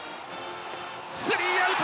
スリーアウト！